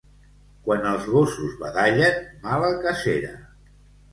Quan els gossos badallen, mala cacera.